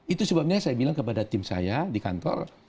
itu sebabnya saya bilang kepada tim saya di kantor